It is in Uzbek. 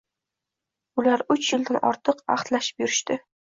Ular uch yildan ortiq ahdlashib yurishdi